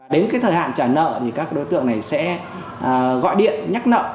đến cái thời hạn trả nợ thì các đối tượng này sẽ gọi điện nhắc nợ